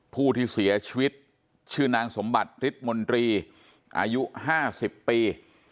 ผู้ที่เสียชีวิตชื่อนางสมบัติฤทธิ์มนตรีอายุ๕๐ปี